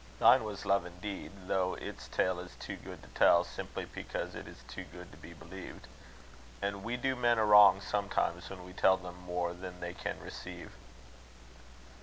Thine was love indeed; though its tale is too good to tell, simply because it is too good to be believed; and we do men a wrong sometimes when we tell them more than they can receive.